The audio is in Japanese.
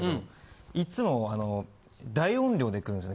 いっつも大音量で来るんですよ。